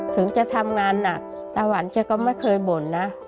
ถึงจะทำงานหนักตาหวันแกก็ไม่เคยบ่นนะ